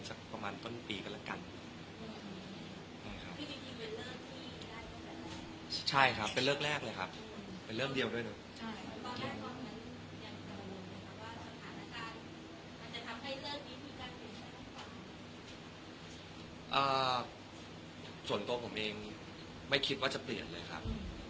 ส่วนตัวผมเองไม่คิดว่าจะเปลี่ยนเลยครับ